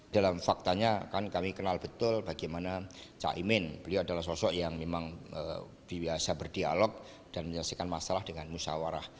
dalam faktanya kan kami kenal betul bagaimana caimin beliau adalah sosok yang memang biasa berdialog dan menyelesaikan masalah dengan musyawarah